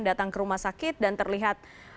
datang ke rumah sakit dan terlihat